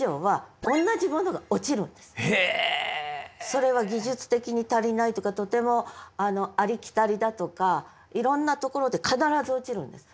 それは技術的に足りないとかとてもありきたりだとかいろんなところで必ず落ちるんです。